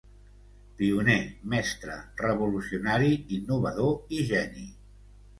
Pioner, mestre, revolucionari, innovador i geni.